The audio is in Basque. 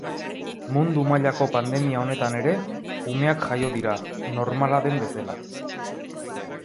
Mundu mailako pandemia honetan ere umeak jaio dira, normala den bezela.